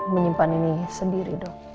menyimpan ini sendiri dok